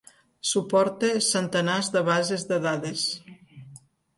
Suporta centenars de bases de dades.